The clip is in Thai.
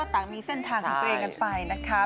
ต่างมีเส้นทางของตัวเองกันไปนะคะ